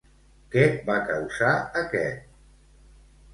Què va causar aquest?